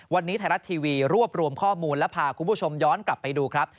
วันนี้ไทยรัฐทีวีรวบรวมข้อมูลและพาคุณผู้ชมย้อนกลับไปดูครับ